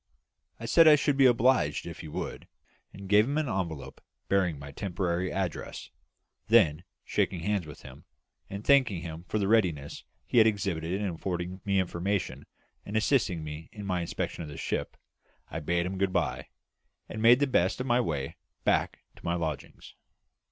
I said I should be obliged if he would, and gave him an envelope bearing my temporary address; then, shaking hands with him, and thanking him for the readiness he had exhibited in affording me information and assisting me in my inspection of the ship, I bade him good bye, and made the best of my way back to my lodgings.